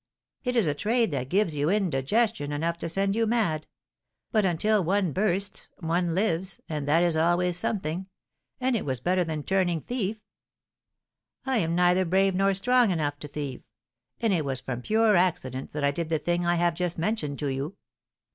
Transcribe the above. It is a trade that gives you indigestion enough to send you mad; but until one bursts one lives, and that is always something, and it was better than turning thief. I am neither brave nor strong enough to thieve, and it was from pure accident that I did the thing I have just mentioned to you."